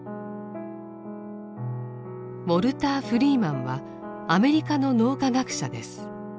ウォルター・フリーマンはアメリカの脳科学者です。